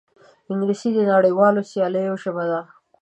انګلیسي د نړیوالو سیالیو ژبه ده